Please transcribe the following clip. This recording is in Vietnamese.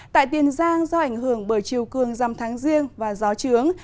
tại tiền giang do ảnh hưởng bởi chiều cường dầm tháng riêng và gió trướng